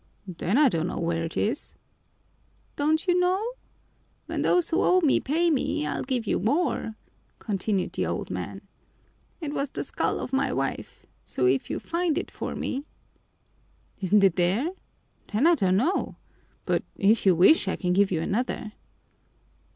Then I don't know where it is." "Don't you know? When those who owe me pay me, I'll give you more," continued the old man. "It was the skull of my wife, so if you find it for me " "Isn't it there? Then I don't know! But if you wish, I can give you another."